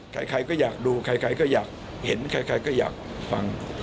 ใครก็อยากดูใครก็อยากเห็นใครก็อยากฟัง